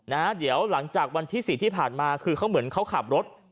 นะฮะเดี๋ยวหลังจากวันที่สี่ที่ผ่านมาคือเขาเหมือนเขาขับรถ